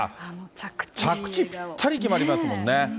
着地、ぴったり決まりますもんね。